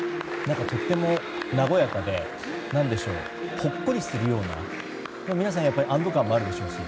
とても和やかでほっこりするような皆さん、安ど感もあるでしょうし